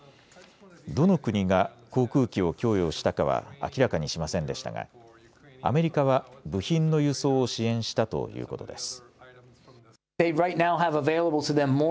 どの国が航空機を供与したかは明らかにしませんでしたがアメリカは部品の輸送を支援したということです。